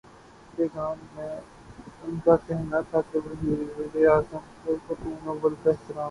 پیغام میں ان کا کہنا تھا کہ وزیرا اعظم اور خاتونِ اول کا احترام